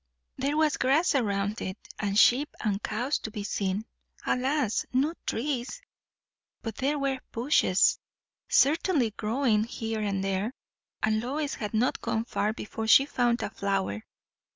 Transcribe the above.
There was grass around it, and sheep and cows to be seen. Alas, no trees. But there were bushes certainly growing here and there, and Lois had not gone far before she found a flower.